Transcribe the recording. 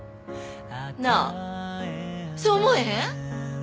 なあそう思わへん？